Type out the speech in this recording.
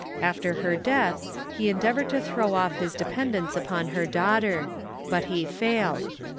After her death he endeavored to throw off his de pendence upon her daughter. But he failed.